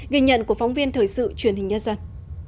ghi nhận của phóng viên thời sự truyền hình nhất rằng